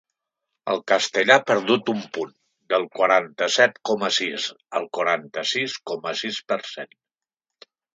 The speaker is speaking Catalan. El castellà ha perdut un punt: del quaranta-set coma sis al quaranta-sis coma sis per cent.